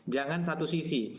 jangan satu sisi